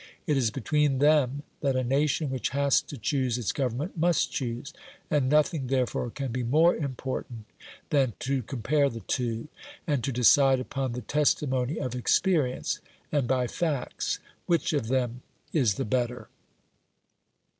It is between them that a nation which has to choose its government must choose. And nothing therefore can be more important than to compare the two, and to decide upon the testimony of experience, and by facts, which of them is the better.